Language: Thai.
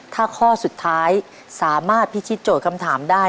ถ้าข้อสุดท้ายสามารถพิธีโจทย์คำถามได้